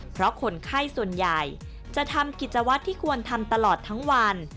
เพราะคนไข้ส่วนใหญ่จะทำกิจวัตรที่ควรทำตลอดทั้งวัน